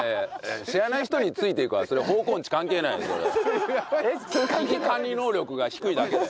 「知らない人についていく」はそれは方向音痴関係ないそれ。